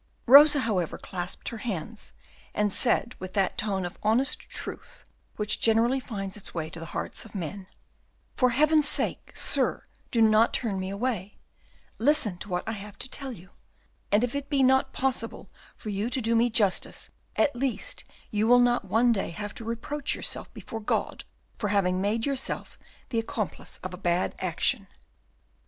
Rosa, however, clasped her hands, and said with that tone of honest truth which generally finds its way to the hearts of men, "For Heaven's sake, sir, do not turn me away; listen to what I have to tell you, and if it be not possible for you to do me justice, at least you will not one day have to reproach yourself before God for having made yourself the accomplice of a bad action."